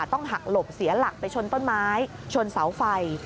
ต้องหักหลบเสียหลักไปชนต้นไม้ชนเสาไฟ